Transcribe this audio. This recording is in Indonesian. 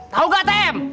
tau gak atm